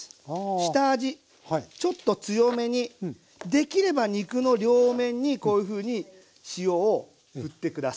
下味ちょっと強めにできれば肉の両面にこういうふうに塩を振って下さい。